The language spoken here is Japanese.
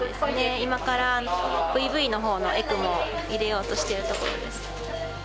今からＶ−Ｖのほうのエクモを入れようとしているところです。